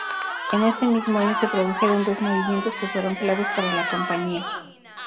En ese mismo año se produjeron dos movimientos que fueron claves para la compañía.